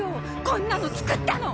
こんなの作ったの！